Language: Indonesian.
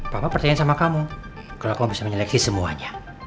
papa percaya sama kamu kalau kamu bisa menyeleksi semuanya